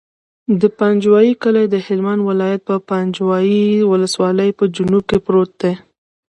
د پنجوایي کلی د هلمند ولایت، پنجوایي ولسوالي په جنوب کې پروت دی.